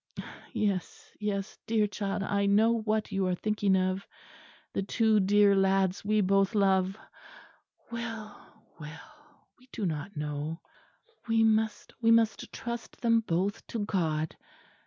Yes, yes, dear child, I know what you are thinking of, the two dear lads we both love; well, well, we do not know, we must trust them both to God.